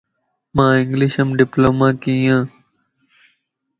مان انگلشم ڊپلو ماڪين يَ